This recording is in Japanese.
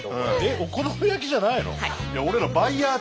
お好み焼きじゃないの？